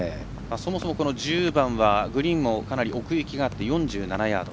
そもそも１０番はグリーンも奥行きがあって４７ヤード。